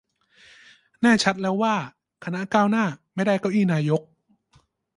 แน่ชัดแล้วว่า คณะก้าวหน้า ไม่ได้เก้าอี้นายก